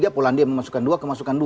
dia polandia memasukkan dua kemasukan dua